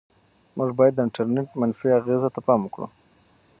موږ باید د انټرنيټ منفي اغېزو ته پام وکړو.